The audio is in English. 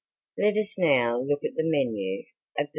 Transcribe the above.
Let us now look at the menu of the $3.